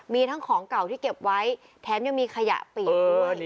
มีทั้งของเก่าที่เก็บไว้แถมยังมีขยะเปียกด้วย